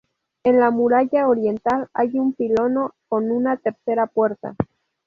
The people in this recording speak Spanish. En la muralla oriental hay un pilono con una tercera puerta.